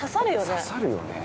刺さるよね。